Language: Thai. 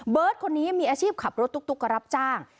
เบิร์ตคนนี้มีอาชีพขับรถตุ๊กกระรับจ้าง